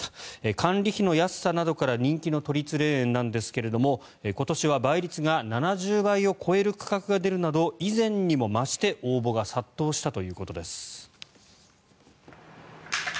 管理費の安さなどから人気の都立霊園なんですが今年は倍率が７０倍を超える区画が出るなど以前にも増して応募が殺到したということです。